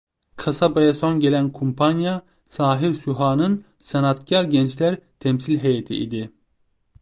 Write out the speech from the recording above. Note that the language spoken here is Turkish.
Kasabaya son gelen kumpanya, "Sahir Süha"nın "Sanatkar Gençler" temsil heyeti idi.